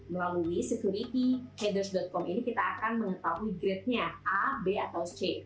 melalui securityheaders com ini kita akan mengetahui grade nya a b atau c